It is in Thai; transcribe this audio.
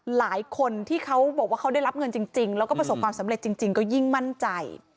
หลายคนที่เขาบอกว่าเขาได้รับเงินจริงแล้วก็ประสบความสำเร็จจริงก็ยิ่งมั่นใจ